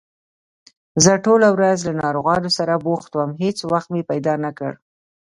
زه ټوله ورځ له ناروغانو سره بوخت وم، هېڅ وخت مې پیدا نکړ